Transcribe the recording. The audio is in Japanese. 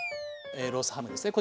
ロースハムですね